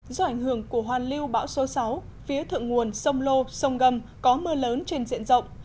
do ảnh hưởng của hoàn lưu bão số sáu phía thượng nguồn sông lô sông gâm có mưa lớn trên diện rộng